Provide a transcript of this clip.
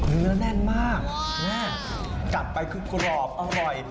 เนื้อแน่นมากแน่นกัดไปคือกรอบอร่อย